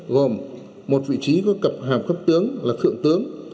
gồm một vị trí có cấp hàm cấp tướng